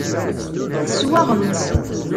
Teswaɣem-tt.